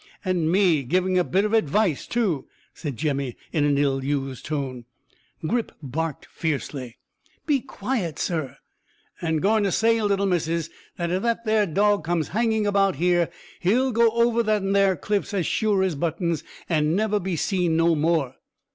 "And me giving a bit of advice too," said Jemmy in an ill used tone. Grip barked fiercely. "Be quiet, sir!" "And going to say, little missus, that if that there dog comes hanging about here, he'll go over them there cliffs as sure as buttons, and never be seen no more."